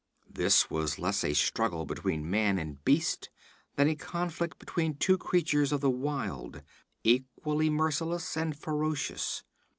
This was less a struggle between man and beast than a conflict between two creatures of the wild, equally merciless and ferocious.